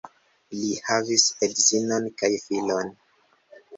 Li havis edzinon kaj filon.